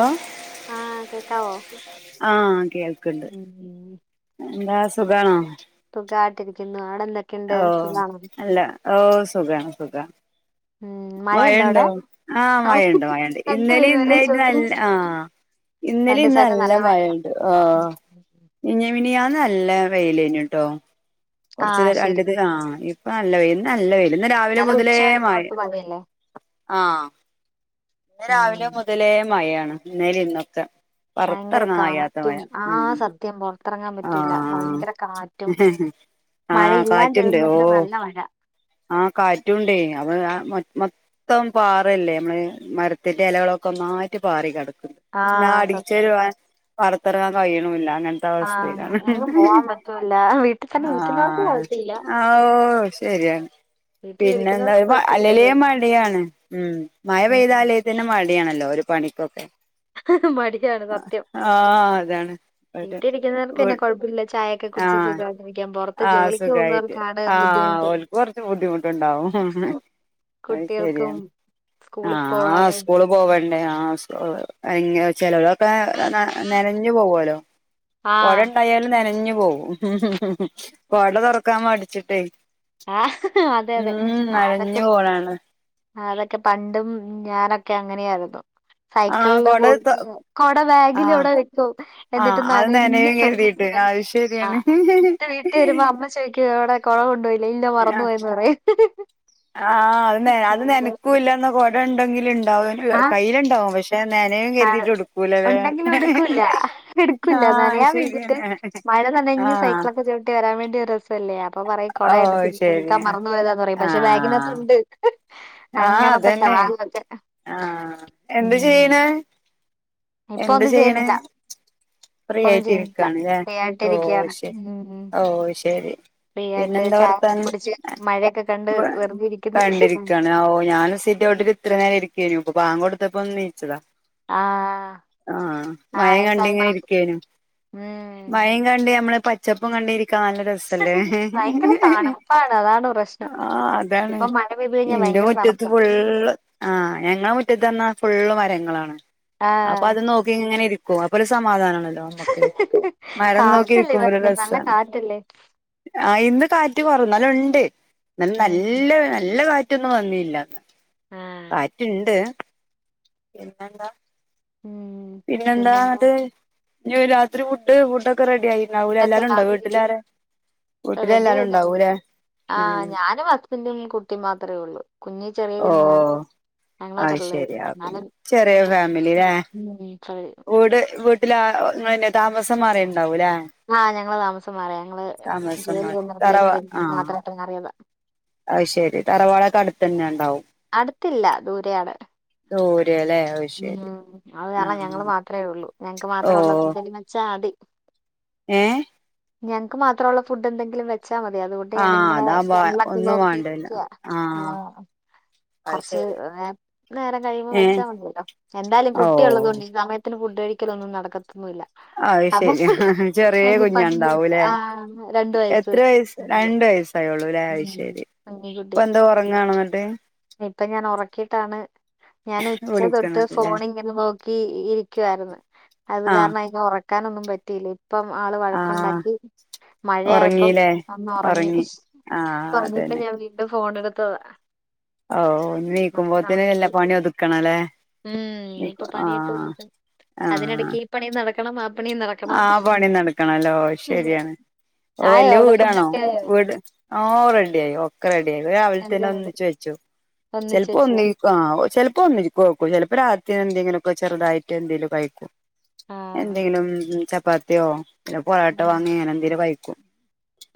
ആഹ ആഹ കേക്കാവോ ആഹ കേൾക്കണ്ട് പിന്നെ എന്താ സുഖണോ സുഖായിട്ടിരിക്കുന്നു അവിടെ എന്താ ഓ അല്ല ഓ സുഖം സുഖം ഉം മഴയുണ്ടോ അവിടെ മഴുണ്ടോ ആഹ മഴുണ്ട് മഴുണ്ട് ഇന്നല രണ്ടുപേരും ഇന്ന് ഒരേ ചോദ്യം. നല്ല ആഹ ഇന്നലെ രണ്ടു ഇന്ന് ദിവസായിട്ട് നല്ല മഴയാ മഴുണ്ട് ആഹ മിനിഞ്ഞാന്ന് നല്ല വെയില്ലെന്നേറ്റോ കുറച്ച് ആഹ് ശരി രണ്ടിത് ആഹ് ഇപ്പൊ നല്ല വൽ നല്ല വേൽ ഇന്ന് രാവിലെ ഇന്നലെ ഉച്ച മുതലേ കഴിഞ്ഞ് മഴ തൊട്ട് മഴയല്ലേ ആഹ ഇന്ന് ഉം, രാവിലെ മുതലേ മഴയാണ് ഇന്നേൽ ഇന്നൊക്കെ ഭയങ്കര പൊറത്തെറങ്ങാൻ കയ്യാത്ത മഴ കാറ്റും ആ ഉം സത്യം പുറത്തിറങ്ങാൻ പറ്റൂല്ല ആഹ് ഭയങ്കര കാറ്റും ആഹ് മഴയില്ലാണ്ടിരുന്നിട്ട് നല്ല മഴ ആഹ കാറ്റുണ്ടേ അവ മൊത്തം പാറല്ലേ നമ്മള് മരത്തിന്റെ ഇലകളൊക്കെ ഒന്നായിട്ട് പാറി കിടക്കുന്നു ന്നാ ആഹ് സത്യം അടിച്ചുവരാൻ പുറത്തിറങ്ങാൻ കഴിയാനുമില്ല ആഹ് അവസ്ഥയിലാണ് എങ്ങും പോവാൻ പറ്റൂല്ല വീട്ടിൽ തന്നെ ഇരിക്കുന്നവർക്ക് കുഴപ്പമില്ല ആഹ ഓ ശരിയാണ് പിന്നെ എന്താ വീട്ടിലിരിക്കുന്നവർക്ക് അല്ലേലും കുഴപ്പമില്ല മടിയാണ് ഉ മഴ ഉം പെയ്താലേ ന്നെ മടിയാണല്ലോ ഒരു പണിക്കൊക്കെ മടിയാണ് സത്യം ആഹ് അതാണ് വീട്ടിലിരിക്കുന്നവർക്ക് പിന്നെ കൊഴപ്പില്ല ചായ ഒക്കെ കുടിച്ച് ആഹ് സുഖായിട്ടിരിക്കാം പുറത്ത് ആഹ് ജോലിക്ക് പോകുന്നവർക്കാണ് ബുദ്ധിമുട്ട് ബുദ്ധിമുട്ട് ഉണ്ടാകും അത് കുട്ടികൾക്കും സെരിയാണ് സ്കൂളിൽ ആഹ് പോവാനും സ്കൂളിൽ പോവണ്ടേ ആ ചിലവൊ ഒക്കെ നനഞ്ഞു പോവല്ലോ കുട ആഹ് ഉണ്ടായാലും നനഞ്ഞു പോവും ഉ കുട തുറക്കാൻ മേടിച്ചിട്ടേ ആഹ അതെ അതെ ആതൊക്കെ പോലാണ് അതൊക്കെ പണ്ടും ഞാനൊക്കെ അങ്ങനെയായിരുന്നു ആഹ് സൈക്കിളില് കൊട തൊ പോയിട്ട് കുട ബാഗിൽ ആഹ് ഇവിടെ വെക്കും ആഹ് എന്നിട്ട് അത് നനഞ്ഞു നനയും കരുതിയിട്ട് ചവിട്ടും അത് ആ ശരിയാണ് എന്നട്ട് വീട്ടിൽ വരുമ്പോ അമ്മ ചോദിക്ക അവിടെ കുട കൊണ്ടുപോയില്ലേ ഇല്ല മറന്നു പോയന്ന് പറയും ആഹ അത് അത് നനക്കൂല്ലന്ന കുട ഉണ്ടെങ്കിലും ഉണ്ടാവും കയ്യിലുണ്ടാവും പക്ഷെ പക്ഷ നനേയും ആഹ് കരുതിട്ട എടുക്കൂലതേ ഉണ്ടെങ്കിലും എടുക്കൂല്ല എടുക്കൂല്ല ആഹത് നനയാൻ വേണ്ടിട്ട് ശരിയന്ന മഴ നനഞ്ഞ് സൈക്കിളൊക്കെ ചവിട്ടി ക്കെ വെരാൻ വേണ്ടി ഒരു രസല്ലേ അപ്പ പറയും കൊട ഓഹ് എടുത്തില്ല ശരി എടുക്കാൻ ആ മറന്നു പോയതാന്ന് പറയും പക്ഷേ ആഹ് ബാഗിനകത്ത് ഇണ്ട് ആഹ് അങ്ങനത്തെ അതന്നെ കാലൊക്കെ ആഹ് എന്ത് ഉം ചെയ്യണ് ഇപ്പം എന്ത് ഒന്നും ചെയ്യണ് ചെയ്യുന്നില്ല ഫ്രീ ഇപ്പൊ ഒന്നും ആയിട്ട് ചെയ്യുന്നില്ല ഇരിക്കാണ് ല്ലെ ഫ്രീ ഓഹ് ആയിട്ടിരിക്കയാണ് ശരി ഉം ഓഹ് ശരി ഫ്രീ പിന്നെ ആയിട്ട് എന്താ ചായയൊക്കെ വർത്താനം കുടിച്ച് മഴയൊക്കെ കണ്ട് [unintelligible] വെറുതെ ഇരിക്കുന്നു കണ്ടിരിക്കയാണ് ഓഹ് ഞാന് സിറ്റൗട്ടി ഇത്ര നേരം ഇരിക്കുവായിനും അപ്പോ ബാങ്ക് കൊടുത്തപ്പോ ഒന്ന് എണീച്ചതാ ആഹ് ആഹ് മഴേം കണ്ട് ആഹ് ഇങ്ങനെ ഇരിക്കേനും ഉം മഴേം കണ്ട് ഞമ്മളീ പച്ചപ്പും കണ്ട് ക്കാ നല്ല രസല്ലേ ഭയങ്കര തണുപ്പാണ് അതാണ് പ്രശ്നം ആഹ് അതാണ് ഇപ്പൊ മഴ പെയ്ത് കഴിഞ്ഞാൽ ഇന്റെ ഭയങ്കര മുറ്റത്ത് തണുപ്പാ ഫുള്ള് ആഹ് ഞങ്ങളെ മുറ്റത്ത് വന്നാ ഫുള്ള് മരങ്ങളാണ് അപ്പൊ ആഹ് അത് നോക്കി ഇങ്ങനെ ഇരിക്കും അപ്പൊ ഒരു സമാധാനണല്ലോ [unintelligible] മരം നോക്കി കാറ്റല്ലേ ഇരിക്കുമ്പോ ഒരു ഭയങ്കര നല്ല രസാണ് കാറ്റല്ലേ ആഹ് ഇന്ന് കാറ്റ് കൊറ ഇന്നാലും ഇണ്ട് എന്നാലും ഉം നൽ നല്ല കാറ്റ് റ്റൊന്നും വന്നില്ലന്ന് ആഹ് കാറ്റ്ണ്ട് പിന്നെന്താ. ഉം പിന്നെ എന്താ പിന്നെന്താ ഇന്നട്ട് ഇനി രാത്രി ഫുഡ് ഫുഡൊക്കെ റെഡി ആയി ണ്ടാവു ഫുഡൊക്കെ എല്ലാരും ഇണ്ടാവോ വീട്ടിൽ രാത്രിക്ക് ആരാ റെഡി വീട്ടിലെല്ലാവരും ആയില്ലേ ഇണ്ടാവൂലേ ആഹ് ഞാനും ഹസ്ബൻഡും കുട്ടീം മാത്രേ ഉള്ളു കുഞ്ഞ് ചെറിയ കുഞ്ഞാണ് അയ് ശരിയാ പിന്നെ ചെറിയ ഫാമിലില്ലേ ശരി. വീട് വീട്ടിലെ ആ ഇങ്ങളെന്നെയാ താമസം മാറിയിട്ട്ണ്ടാവും ല്ലേ ആഹ് ഞങ്ങള് താമസം മാറി ഞങ്ങള് ജോലി മാറി തറവാ ചെയ്യുന്നെടത്തേക്ക് ആ മാത്രായിട്ട് മാറിയതാ അത് ശരി തറവാടെക്കെ അടുത്തെന്നെ ഇണ്ടാവും അടുത്തില്ല ദൂരെയാണ് ദൂരെയാല്ലേ ഉം അത് കാരണം ഞങ്ങൾ മാത്രേ ഒള്ളൂ ഞങ്ങക്ക് ഓ മാത്രമേ ഒള്ളത് എന്തേലും വെച്ചാ മതി ഏഹ് ഞങ്ങക്ക് മാത്രൊള്ള ഫുഡ് എന്തെങ്കിലും വെച്ച് ച്ചാ മതി അതുകൂട്ടി ആഹ് ഞാനിങ്ങനെ അതാവുമ്പോ സ്ഫോൺലൊക്കെ ഒന്നും നോക്കി വാണ്ടല്ലോ ക്ക്യ ആഹ്. അത് കൊറച്ച് ശരിയാ [unintelligible] നേരം കഴിയുമ്പോ ഏ വെച്ചാ മതിയല്ലോ എന്തായാലും ഓ കുട്ടിയൊള്ളത് കൊണ്ട് സമയത്ത് ത്തിന് ഫുഡ് കഴിക്കലൊന്നും നടക്കത്തൊന്നുല്ല അത് ശരിയാ ചെറിയേ കുഞ്ഞ് പതിയെ വെക്ക- ഞ്ഞാണ്ടാവുല്ലേ ആ രണ്ട് എത്ര വയസ്സ് ആയിട്ടുള്ളൂ. രണ്ട് വയസ്സ് യേള്ളു അല്ലേ അത് ഉം. ശരി ഇപ്പൊ കുഞ്ഞിക്കുട്ടിയാ എന്താ ഒറങ്ങാണോ എന്നിട്ട് ഇപ്പൊ ഞാൻ ഒറക്കീട്ടാണ് ഞാൻ ഉച്ച തൊട്ട് വിളിക്കണത് ല്ലേ ഫോണിങ്ങനെ നോക്ക് ക്കി ഇരിക്കുവാരുന്നു അത് ആഹ് കാരണം അയിനെ ഒറക്കാൻ ഒന്നും പറ്റിയില്ല ഇപ് ഇപ്പം ആള് ആഹ് വഴക്കൊണ്ടാക്കി മഴയായപ്പം ഉറങ്ങീല്ലേ ഒന്നൊറങ്ങി ഉറങ്ങി ആഹ് ഒറങ്ങിയപ്പോ അതന്നെ ഞാൻ വീണ്ടും ഫോൺ എടുത്തതാ ഓഹ് ഇനി അപ്പഴാ എണീക്കുമ്പോത്തിനും എല്ലാ മനസ്സിലായത് പണി ഒതുക്കണം ല്ലേ ഉം ഇനിയിപ്പൊ ണീക്കും പണിയൊക്കെ ആഹ് ഒതുക്ക ആഹ് അതിനിടയ്ക്ക് ഈ പണി നടക്കണം ആ പണിയും നടക്കണം ആ പണി നടക്കണല്ലോ അത് അതെ ശരിയാണ് ഓഹ് ആയോ വല്യ അവിടെ വീടാണോ ഫുഡൊക്കെ ആയോ വീട് ഓഹ് റെഡിയായി ഒക്കെ റെഡി ആയി [unintelligible] രാവിലെ തന്നെ എല്ലാം റെഡി ഒന്നിച്ച് വെച്ചു ഒന്നിച്ച് ചെലപ്പോ വെച്ചോ ഒന്നി ആഹ് ഒ ചെലപ്പം ഒന്നിക്കൂ ചെലപ്പോ രാത്രി എന്തെങ്കിലൊക്കെ ചെറുതായിട്ട് എന്തെലും കഴിക്കും ആഹ് എന്തെങ്കിലും ചപ്പാത്തിയോ പിന്നെ പൊറോട്ട വാങ്ങേ അങ്ങനെ എന്തെങ്കിലും കഴിക്കും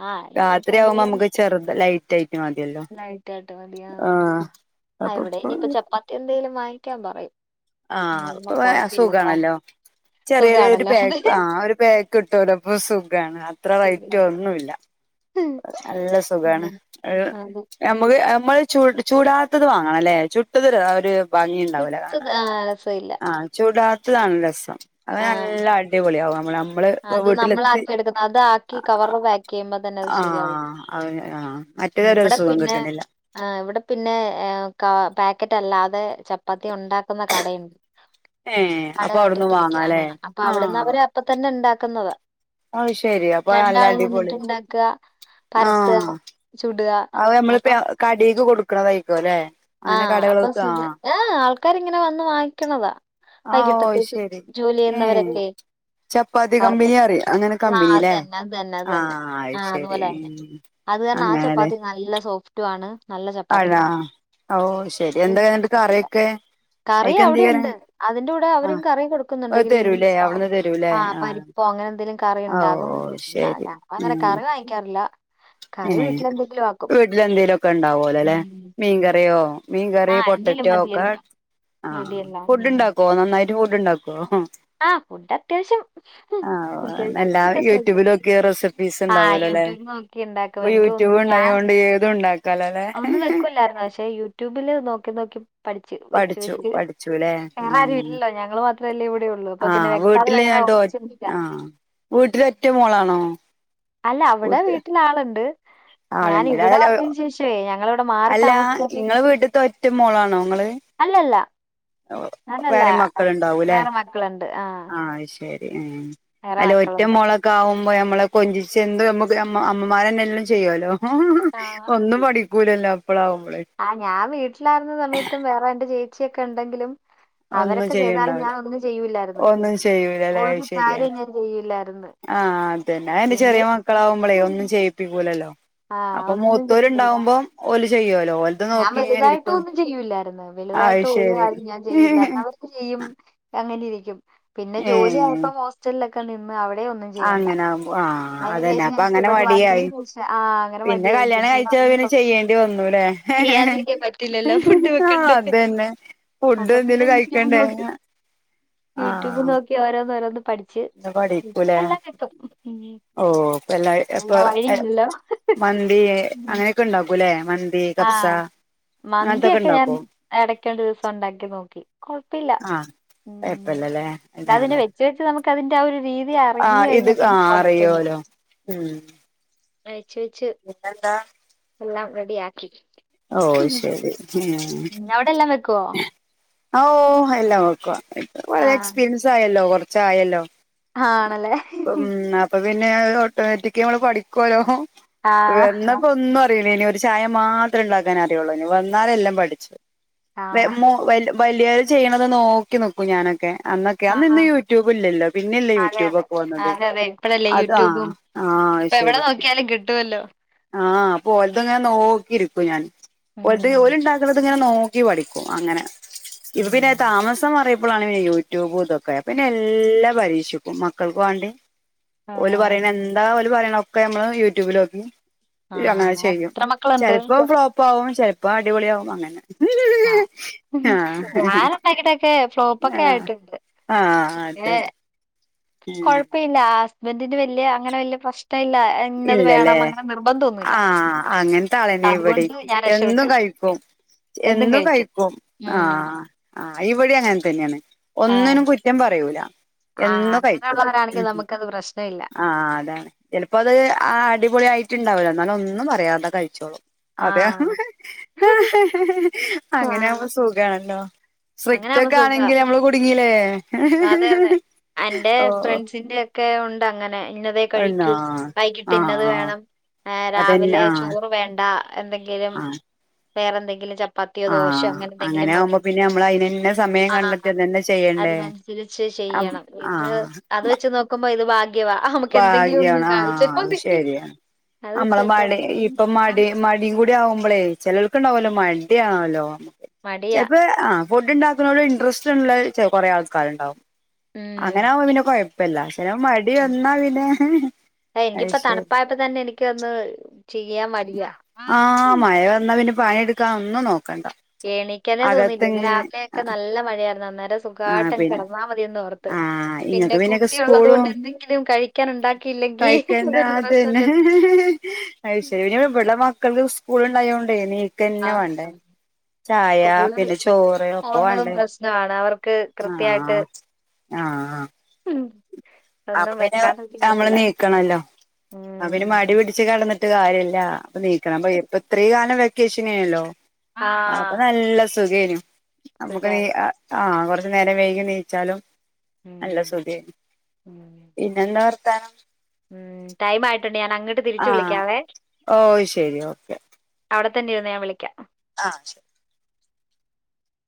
ആഹ് അല്ലേലും ഇപ്പം രാത്രിയാവുമ്പോ എന്തെലും നമുക്ക് ചെറുത് ലൈറ്റ് ആയി ന്നെ മതിയല്ലോ ലൈറ്റ് ആട്ട് മതി ആ ആഹ് ആഹ് ഇവിടെ ഇനി ഇപ്പൊ ചപ്പാത്തി എന്തേലും വാങ്ങിക്കാൻ പറയും ആഹ് ഇപ്പൊ അതൊന്നും [unintelligible] കൊഴപ്പില്ലപ്പാ സുഖാണല്ലോ ചെറിയ ഒരു സുഖാണല്ലോ അത് പാക്ക് ആഹ് ഒരു പാക്ക് ക് ട്ടോലോ പ്പ സുഖാണ് അത്ര റയ്റ്റോ ശരിയാണ് ഒന്നുല്ല. നല്ല സുഖാണ് ഒരു. അതെ ഞ്ഞമ്മക്ക് നമ്മൾ ചുട് ചുടാത്തത് വാങ്ങണലേ ചുട്ടത് ര ഒര്. ഭംഗിണ്ടാവുല കിട്ടുന്ന കാണാൻ ആഹ് രസമില്ല ആഹ് ചുടാത്തതാണ് രസം. അങ്ങനെ ആഹ് നല്ല അടിപൊള്യാവും നമ്മള് നമ്മള് അത് വീട്ടിലെത്തി അ അ. കേമ ആഹ് അഹ് ആ ഇവിടെ മറ്റവരെരുസുഖം പിന്നെ കിട്ട്ണില്ല. ആ ഇവിടെ പിന്നെ ഏ കാ പാക്കറ്റ് അല്ലാതെ ചപ്പാത്തി ഉണ്ടാക്കുന്ന കടയു ഏഹ് അപ്പൊ അവിട്ന്ന് വാങ്ങ് ക്ക്യാങ്ങങ്ങ അപ്പ അവിടന്നവര് അപ്പ തന്നെണ്ടാക്ക്ന്നത അത് ശെരി അപ്പൊ നല്ല രണ്ടാള് അടിപൊളി വന്ന്ട്ട് ണ്ടാ ക്ക. ആഹ്. ചുട്വ. അവ ഞ്ഞമ്മള്പ്പയ കടീക്ക് കൊട്ക്ക്ണതയ്ക്കു ലെ അങ്ങനെ കടകൾക്ക് ആ. ആഹ് ആൾക്കാര് ഇങ്ങനെ വന്ന് വാങ്ങിക്കണതാ ആഹ് ഓ വൈകിട്ടത്തേക്ക് ശരി ജോലി ഏഹ് ചെയ്യുന്നവരൊക്കെ. ചപ്പാത്തി കമ്പനി അവർക്കത് അറിയ അങ്ങനെ ആ അത് കമ്പനില്ലേ തന്നെ അത് തന്നെ അത് തന്നെ ആഹ് അത് ആഹ് ശരി അതുപോലെ തന്നെ. ഉം അത് പർണാ ആ ചപ്പാത്തി നല്ല സോഫ് ട്ടുവാണ് നല്ല ചപ്പ ആണോ ഓഹ് ശെരി എന്താ ഇന്നെട്ട് കറി കുഴപ്പമില്ല ഒക്കെ? കറി അവടെ ഇണ്ട് അതിന്റെ കൂടെ അവരും ആഹ് കറി കൊടുക്കുന്നുണ്ട് അത് ഗ്രീൻ തരൂലേ പീസോ അവിടുന്ന് തരൂലേ ആഹ് പരി ഇപ്പൊ അങ്ങനെ എന്തെലും കറി ഓ ഇണ്ടാകും ശരി ഞങ്ങൾ അങ്ങനെ ഉം കറി വാങ്ങിക്കാർ ഇല്ലാ ഏഹ് വീട്ട്ല് എന്തെലും ഒക്കെ ഇണ്ടാവോലോലെ ഉം. മീകറിയോ? ആ മീൻകറി എന്തേലും പൊട്ടറ്റോ ഒക്കെ മതിയല്ലോ ആഹ് മതിയല്ലോ ഫുഡ് ഉം. ഇണ്ടാക്കോ നന്നായി ഇജ്ജ് ഫുഡ് ഇണ്ടാക്കോ? ആ ഫുഡ് അത്യാവശ്യം ആഹ് ഓഹ് ഇന്ന് അത്യാവശ്യം എല്ലാവരും ഫുഡൊക്കെ വെക്കും യൂട്യൂബിലൊക്കിയ റെസിപ്പീസ് ആ ഇണ്ടാവോലൊലെ? യൂട്യൂബ് നോക്കി ഉണ്ടാക്കും ഇപ്പം എനിക്ക് യൂട്യൂബ് ഒന്നും ഞാൻ ഇണ്ടായോണ്ട് ഏതും ഇണ്ടാക്കാലോ ലെ ഒന്നും വെക്കുല്ലായിരുന്നു പക്ഷെ യൂട്യൂബിൽ നോക്കി നോക്കി പഠിച്ച് വെച്ച് പഠിച്ചു വെച്ച് വെറെ പഠിച്ചുല്ലേ ആരും ഉം ഇല്ലല്ലോ ഞങ്ങൾ മാത്രം അല്ലെ ഇവടെ ഒള്ളു അപ്പ തന്നെ ആഹ് വെക്കാതെ വീട്ടില് ഓ ന്നട്ട് ഒ [unintelligible] ആഹ് വീട്ടില് ഒറ്റ മോളാണോ അല്ല അവ്ടെ വീട്ട്ൽ ആൾ ഇണ്ട് ആഹ് രണ്ട്ലായാലും ഞങ്ങളിവിടെ മാറി അല്ലാ താമസിച്ചത് ഇങ്ങളെ വീട്ട്ത്തെ ഒറ്റ മോളാണോ ഇങ്ങെൾ? അല്ലല്ല [unintelligible] ഞാനല്ല വെറിം മക്കൾ ഇണ്ടാവുംലെ വേറെ മക്കളുണ്ട് ആ ആഹ് അഹ് ശരി ഏഹ് വേറെ അല്ലെയ് ഒറ്റ മക്കളുണ്ട് മോളൊ ക്കെ ആവുമ്പം ഞമ്മളെ കൊഞ്ചിച്ച് എന്ത് ഞമ്മക്ക് അമ്മമാരന്നെ എല്ലും ചെയ്യോലൊ ആ ഒന്നും പഠിക്കൂലല്ലോ അപ്പൾ ആവുമ്പെൾ ആഹ് ഞാൻ വീട്ടിലായിരുന്ന സമയത്തും വേറെ ഇന്റെ ചേച്ചിയൊക്കെ ഇണ്ടെങ്കിലും ഒന്നും അവരൊക്കെ ചെയ്താലും ഞാൻ ചെയ്യണ്ടാവില്ല ഒന്നും ചെയ്യൂല്ലാരുന്നു ഒന്നും ചെയ്യൂലല്ലേ അത് ഒരു ശരിയാ കാര്യം ഞാൻ ചെയ്യൂല്ലാരുന്ന് ആഹ് അത് എന്നെ അഹ് എന്തെ ചെറിയ മക്കൾ ആവുമ്പളെയ് ഒന്നും ചെയ്യിപ്പിക്കൂലല്ലോ ആ അപ്പം ഒന്നും മൂത്തോര് ചെയ്യില്ല ഇണ്ടാവുമ്പം ഓല് ചെയ്യോലോ ഓല് ഞാൻ വലുതായിട്ടും ഒന്നും ചെയ്യൂല്ലാരായിരുന്നു അത് വെലുതായിട്ടും ഒരു ശരി കാര്യം ഞാൻ ചെയ്യില്ലായിരുന്നു അവ ക്ക് ചെയ്യും അങ്ങനെ ഇരിക്കും പിന്നെ ഏ ജോലിയായപ്പം ഹോസ്റ്റെലൊക്കെ നിന്ന് അവ്ടെ ഒ ആഹ് അങ്ങനെ ആവും ആഹ് അതെന്നെ അപ്പ ഞാനിപ്പോ അങ്ങനെ ഇവിടെ മടിയായി വന്നതിന് ശേഷം ആ അങ്ങനെ പിന്നെ മടിയായി കല്യാണം ഇവിടെ കഴിച്ചപ്പം പിന്നെ വന്നപ്പം ചെയ്യെണ്ടി വന്നുലെ ചെയ്യാതിരിക്കാൻ പറ്റില്ലല്ലോ ഫുഡ് ആഹ് വെക്കണ്ടേ അതന്നെ ഫുഡ് അപ്പൊ പിന്നെ എന്തെലും യൂട്യൂബ് കഴിക്കണ്ടെ? ആഹ് ഓരോന്ന് ഓരോന്ന് പഠിച്ച് ഇപ്പല്ലാം കിട്ടും ഓഹ് ഇപ്പ എല്ലാരും അപ്പോ ഞങ്ങളെ എട വഴിയില്ലല്ലോ മന്തി ഉം. അങ്ങനെയൊക്കെ ഇണ്ടാക്കും ലെ മന് ഏഹ് കബ്സാ? മന്തി ഒക്കെ ഞാൻ എടയ്ക്ക് ഒരു ദിവസം ഉണ്ടാക്കി നോക്കി കൊഴപ്പയില്ല കൊയപ്പ ഇല്ലല്ലേ ആഹ് ആഹ് പ്രത്യേകിച്ച് നമ്മക്ക് അതിന്റെ ആ ഒരു രീതി അറിഞ്ഞ് ഇത് കഴിഞ്ഞാ ആ പിന്നെ കൊഴപ്പയില്ല അറിയോലോ അയച്ച് വെച്ച് പിന്നെ ന്താ എല്ലാം റെഡി ആക്കി ഓ ശരി ഹേ ഞവ്ടെ എല്ലാം വെക്കുവോ ആ ഓ എല്ലാം വെക്കുവാ വളരെ ആഹ് എക്സ്പീരിയൻസ് ആയല്ലോ കൊറച്ച് ആയല്ലോ ആണല്ലേ അപ്പ പിന്ന അപ്പ പിന്നെ ഓട്ടോമാറ്റിക് അമ്മള് പഠിക്കല്ലോ ആഹ് വന്നപ്പോ ഒന്നും അറീലേനി ഒരു ചായ മാ ഇത്ര ഉണ്ടാക്കാൻ അറിയോള്ളൂ ഇനി വന്നാല എല്ലാം പഠിച്ച് വെ ആഹ് മൊ വെല്ലോ വലിയവര് ചെയ്യ്ണത് നോക്കി നിക്കും ഞാനൊക്കെ അന്ന് ക്യാ ആഹാ നിന്ന് യൂട്യൂബ് ഇല്ലല്ലോ പിന്നെ അല്ലെ അതെ യൂട്യൂബ് അതെ ഒക്കെ വന്നത് അതെ അതാ ഇപ്പ എവിടെ നോക്കിയാലും കിട്ടുവല്ലോ ആഹ് അപ്പൊ ഓലതങ്ങനെ നോക്കിയിരിക്കും ഞാൻ ഓലത ഉം ഓലും ഇണ്ട [unintelligible] ഇങ്ങനെ നോക്കി പഠിക്കും അങ്ങനെ ഇപ്പ പിന്നെ ഉം താമസം മാറിയ പ്പോളാണ് പിന്നെ യൂട്യൂബ് ഇത് ഒക്കെ പിന്നെ എല്ലാ പരീക്ഷിക്കും മക്കൾക്ക് വാണ്ടി ഓല് ആഹ് പറയ്ണ എന്താ ഓല് പറയ്ണ ഒക്കെ നമ്മള് യൂട്യൂബിലോക്കി ഇല്ല അങ്ങനെ ആഹ് ചെയ്യും എത്ര മക്കളുണ്ട് ചെലപ്പോ ഫ്ലോപ്പ ആകും ചെലപ്പോ അടിപൊളി ആവും അങ്ങനെ. ആഹ് ആഹ ഞാൻ ഉണ്ടാക്കിട്ടൊക്കെ ഫ്ലോപ്പൊക്കെ ആയിട്ടുണ്ട് ആഹ അതന്നെ ഉം കോഴപ്പയില്ല ഹസ്ബന്ഡിന് വെല്യ അങ്ങനെ വെല്യ പ്രശ്നം ഇല്ല ഇന്നത് ഇല്ലല്ലേ വേണം അങ്ങനെ നിർബന്ധമൊന്നുമില്ല ആഹ അങ്ങനത്തെ അളന്നെ ഇവിടെ അതുകൊണ്ട് ഞാൻ എന്നും രക്ഷപ്പെട്ട് കഴിക്കും. എന്നും കഴിക്കും ഉം ആഹ ആഹ ഇവിടെ അങ്ങനെ തന്നെയാണ് ആഹ് ഒന്നിനും കുറ്റം പറയൂല. ആഹ് എന്നും കഴിക്കും അങ്ങനെയുള്ളവരാണെങ്കിൽ ഉഹ് നമുക്കത് പ്രശ്നമില്ല ആ അതാണ് അപ്പ അത് അടിപൊളി ആയിട്ട് ഇടാവുല്ലോ എന്നാലും ഒന്നും പറയാതെ കഴിച്ചോളൂ. അതെ ആഹ് അങ്ങനെ ആവുമ്പോ ആഹ് സുഖാണല്ലോ അങ്ങനെ സ്ട്രിക്റ്റ് ആവുമ്പോ ഒക്കെ സുഖാ ആണെങ്കിൽ അമ്മള് കുടുങ്ങില്ലേ അതെ ഓ ക്കെ ഉണ്ട് അങ്ങനെ ഇന്നതേ എന്നാ കഴിക്കൂ വൈകിട്ട് ആഹ് ഇന്നത് ആഹ് വേണം ഏ അതന്നെ രാവിലെ ആഹ് ചോറ് വേണ്ട എന്തെങ്കിലും ആഹ് വേറെന്തെങ്കിലും ചപ്പ പ ാത്തിയ ദോശ ആഹ് അങ്ങനെ എന്തെങ്കിലും ആവുമ്പോ മതി- പിന്നെ അമ്മള് അയിനന്നെ സമയം ആഹ് കണ്ടത്തിഅതെന്നെചെയ്യണ്ടേ അതിനനുസരിച്ച് ആം ചെയ്യണം ആ ഇത് അത് വെച്ച് നോക്കുമ്പോ ഇത് ഭാഗ്യവാ നമുക്ക് എന്തെങ്കിലും ഒന്നും ഭാഗ്യാണ് കാണിച്ച മതി. അത് അമ്മളെ വെച്ച് മാടി നോക്കുമ്പോ ഇപ്പം മടി മാട ലി കൂടി ആകുമ്പോളേ ചേലോ ല്ക്ക് ഇണ്ടാവുല്ലോ മടിയ ആണല്ലോ മടിയാ ചെലപ്പ ആ ഫുഡ് ഉണ്ടാക്കുന്നോട് ഇൻട്രസ്റ്റ് ഉള്ള കുറേ ആൾക്കാര് ഇണ്ടാവും ഉം അങ്ങനെ വുമ്പംപിന്നെ കേഴ ഇപ്പ എല്ലാ ചെലപ്പോ മടി വന്നാ പിന്നെ അഹ് ശെ ഇപ്പ തന്നെ എനിക്ക് അന്ന് ചെയ്യാൻ മടിയാ ആഹ ഉം. മഴ വന്നാ പിന്നെ പണിയെടുക്കാ ഒന്നും നോക്കണ്ട എണിക്കന്നെ തോന്നിയില്ല അകത്ത് ഇന്ന് രാവിലെ ഒക്കെ നല്ല മഴയായിരുന്നു അന്നേരം സു ആ ഘാട്ടം പിന്നെ കിടന്നാൽ മതിയന്ന് ഓർത്ത് ആ പിന്നെ ഇങ്ങക്ക് പിന്നൊക്കെ കുട്ടി ഒള്ളത് സ്കൂളും കൊണ്ട് എന്തെങ്കിലും കഴി ക്കാൻ ഉണ്ടാക്കിയില്ലെങ്കി കഴിക്കണ്ട അതൊരു പ്രശ്ന അഹ്ശരി ഇവിടെ മക്കൾക്ക് സ്കൂള് ഒണ്ടായ കൊണ്ടേ നീ കെന്ന വേണ്ടേ ആഹ് ചായ പിന്നെ ചോറ് ഒക്കെ വേണ്ടേ ങ്ങാണ വർക്ക് കൃത്യായിട്ട് ആഹ് അപ്പ ഒന്നും പിന്നെ വെക്കാണ്ടിരിക്കാൻ നമ്മള് പറ്റില്ല നീക്കണല്ലോ അതിന് ഉം മടി പിടിച്ച് കടന്ന ട്ട് കാര്യല്ല അപ്പൊ നീക്കണം ഇപ്പ ഇത്രയും കാലം വെക്കേഷൻ നല്ലോ അപ്പ ആഹ് നല്ല സുഖേനു നമുക്ക് നീ ആ സുഖായിരുന്നു ആഹ കൊറച്ചു നേരം വൈകി നീച്ചാലും നല്ല ഉം സുകെനു ഉം പിന്നെ എന്താ വർത്താനം ഉം ടൈംയിട്ടണ്ട് ഞാൻ അങ്ങട്ട് ആ തിരിച്ചു വിളിക്കാവേ ഓ ശരി ഓക്കെ അവടെ തന്നിരുന്നോ ഞാൻ വിളിക്കാ ആ ശെരി